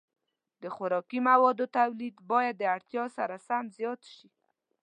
د خوراکي موادو تولید باید د اړتیا سره سم زیات شي.